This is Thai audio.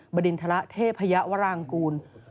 บดินทรเทพยวรางกูล